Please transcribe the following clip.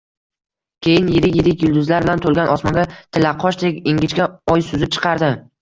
Keyin yirik-yirik yulduzlar bilan to‘lgan osmonga tillaqoshdek ingichka oy suzib chiqardi.